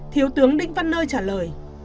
thiếu tướng đinh văn nơi trả lời